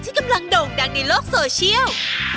กำลังโด่งดังในโลกโซเชียล